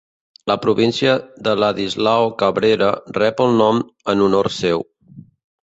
La província de Ladislao Cabrera rep el nom en honor seu.